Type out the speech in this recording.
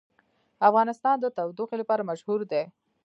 افغانستان د تودوخه لپاره مشهور دی.